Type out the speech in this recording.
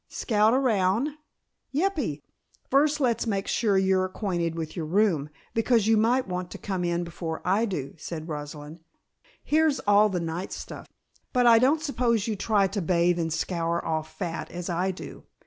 "Scout around?" "Yeppy. First let's make sure you're acquainted with your room, because you might want to come in before I do," said Rosalind. "Here's all the night stuff, but I don't suppose you try to bathe and scour off fat as I do.